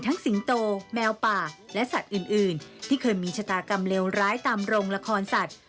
สิงโตแมวป่าและสัตว์อื่นที่เคยมีชะตากรรมเลวร้ายตามโรงละครสัตว์